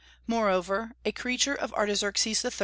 Moreover, a creature of Artaxerxes III.